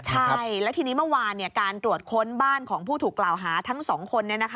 ใช่แล้วทีนี้เมื่อวานการตรวจค้นบ้านของผู้ถูกกล่าวหาทั้ง๒คน